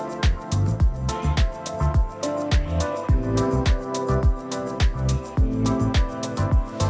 kondisi tpa sampah di indonesia